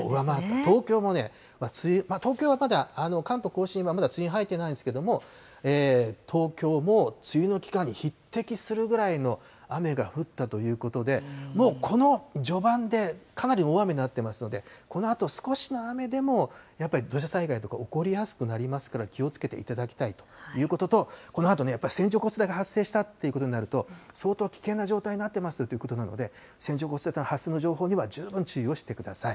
東京もね、東京はまだ関東甲信はまだ梅雨に入ってないんですけども、東京も梅雨の期間に匹敵するぐらいの雨が降ったということで、もうこの序盤でかなり大雨になってますので、このあと、少しの雨でもやっぱり土砂災害とか起こりやすくなりますから、気をつけていただきたいということと、このあとね、やっぱり線状降水帯が発生したっていうことになると、相当危険な状態になってますということなので、線状降水帯発生の情報には十分注意をしてください。